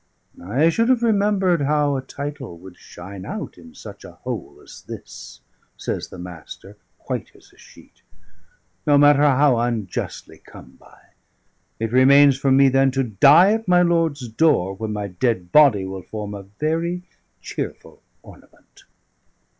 "I should have remembered how a title would shine out in such a hole as this," says the Master, white as a sheet: "no matter how unjustly come by. It remains for me, then, to die at my lord's door, where my dead body will form a very cheerful ornament."